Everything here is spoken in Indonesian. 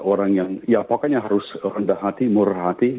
orang yang ya pokoknya harus rendah hati murah hati